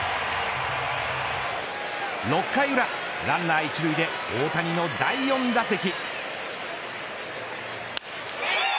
６回裏ランナー１塁で大谷の第４打席。